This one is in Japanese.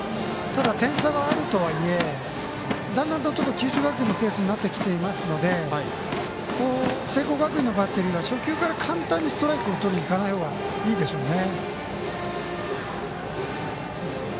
ただ点差があるとはいえだんだん、九州学院のペースになってきていますので聖光学院のバッテリーは初球から簡単にストライクとりにいかないほうがいいでしょうね。